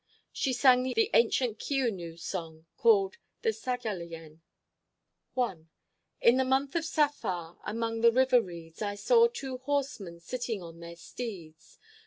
She sang the ancient Khiounnou song called "The Saghalien": I In the month of Saffar Among the river reeds I saw two horsemen _Sitting on their steeds.